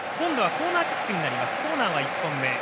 コーナーは１本目。